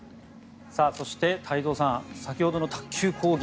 そして、太蔵さん先ほどの卓球講義